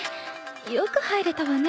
よく入れたわね